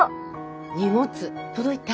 荷物届いた？